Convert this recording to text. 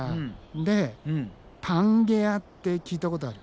でパンゲアって聞いたことある？